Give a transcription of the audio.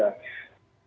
ya memang begitu tapi